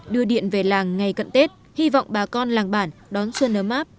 đưa điện về làng ngày cận tết hy vọng bà con làng bản đón xuân ấm áp